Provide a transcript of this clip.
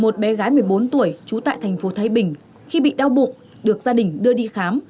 một bé gái một mươi bốn tuổi trú tại thành phố thái bình khi bị đau bụng được gia đình đưa đi khám